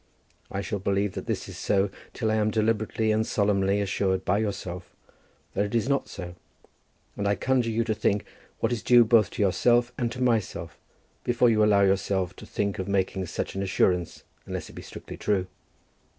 I shall believe that this is so, till I am deliberately and solemnly assured by yourself that it is not so; and I conjure you to think what is due both to yourself and to myself, before you allow yourself to think of making such an assurance unless it be strictly true.